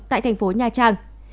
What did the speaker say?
tại thành phố nha trang